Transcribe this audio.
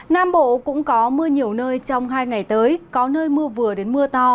nam bộ cũng có mưa nhiều nơi trong hai ngày tới có nơi mưa vừa đến mưa to